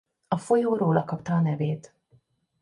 A folyó róla kapta a nevét.